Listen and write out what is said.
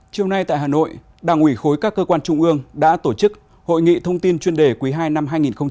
chiều nay tại hà nội đảng ủy khối các cơ quan trung ương đã tổ chức hội nghị thông tin chuyên đề quý ii năm hai nghìn hai mươi